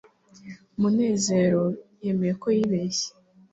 munezero yemeye ko yibeshye